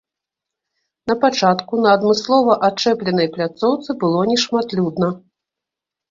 На пачатку на адмыслова ачэпленай пляцоўцы было нешматлюдна.